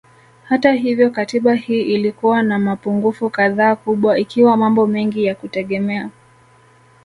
Hata hivyo Katiba hii ilikuwa na mapungufu kadhaa kubwa ikiwa mambo mengi ya kutegemea